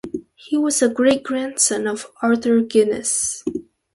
He was the great-grandson of Arthur Guinness.